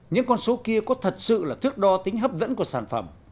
những con số kia có thật sự là thước đo tính hấp dẫn